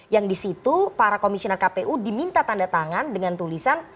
yang di situ para komisioner kpu diminta tanda tangan dengan tulisan